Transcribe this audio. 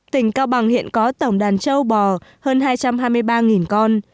tỉnh cao bằng hiện có tổng đàn châu bò hơn hai trăm hai mươi ba con